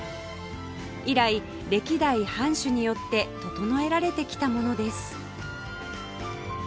以来歴代藩主によって整えられてきたものです